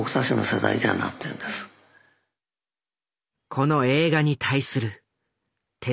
この映画に対する手